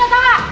kamu tidak bisa